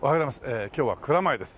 えー今日は蔵前です。